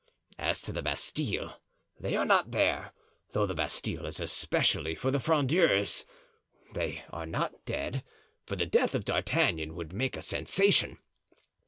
As to the Bastile, they are not there, though the Bastile is especially for the Frondeurs. They are not dead, for the death of D'Artagnan would make a sensation.